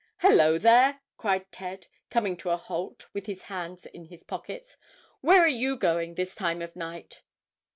"Hello, there!" cried Ted, coming to a halt with his hands in his pockets; "where are you going this time of night?"